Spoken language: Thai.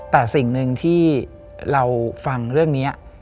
แต่สิ่งหนึ่งที่เราฟังเรื่องนี้